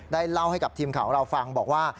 เล่าให้กับทีมข่าวของเราฟังบอกว่า